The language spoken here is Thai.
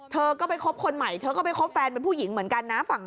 เธอก็ไปคบคนใหม่เธอก็ไปคบแฟนเป็นผู้หญิงเหมือนกันนะ